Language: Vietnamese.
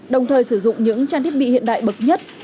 đồng thời sử dụng những trang thiết bị hiện đại bậc nhất